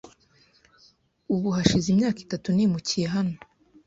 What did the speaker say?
Ubu hashize imyaka itatu nimukiye hano.